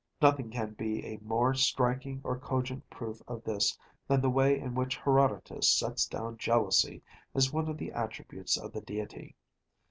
Nothing can be a more striking or cogent proof of this than the way in which Herodotus sets down jealousy as one of the attributes of the Deity.